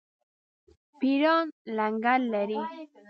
پیران لنګر لري.